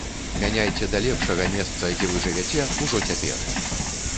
Мяняйце да лепшага месца, дзе вы жывяце, ужо цяпер!